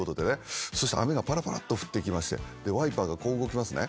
そしたら雨がパラパラっと降ってきましてでワイパーがこう動きますね。